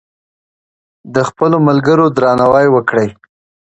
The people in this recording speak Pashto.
د خپلو ملګرو درناوی وکړئ.